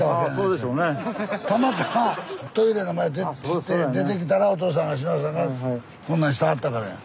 たまたまトイレ出てきたらおとうさんが篠田さんがこんなんしてはったからや。